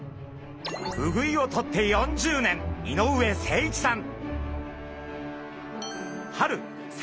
ウグイをとって４０年井上誠一さん。